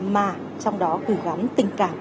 mà trong đó gửi gắm tình cảm